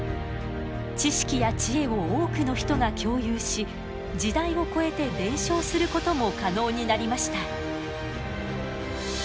知識や知恵を多くの人が共有し時代を超えて伝承することも可能になりました。